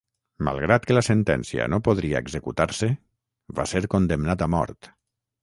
Malgrat que la sentència no podria executar-se, va ser condemnat a mort.